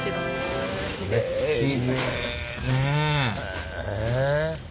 きれいね。